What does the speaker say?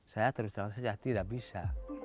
saya terus terang saja tidak bisa